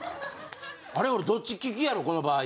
あれ俺どっち利きやろこの場合。